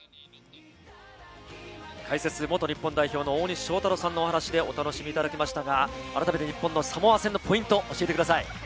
解説は元日本代表の大西将太郎さんのお話でお届けしましたが、改めてサモア戦のポイントを教えてください。